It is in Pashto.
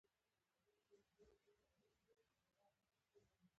دا بدلونونه د استعمار په وخت کې له منځه لاړ نه شول.